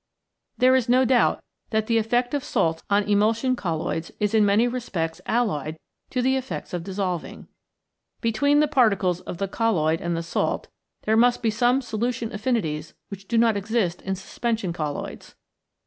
There is no doubt that the effect of salts on emulsion colloids is in many respects allied to the effects of dissolving. Between the particles of the colloid and the salt there must be some solution affinities which do not exist in suspension colloids.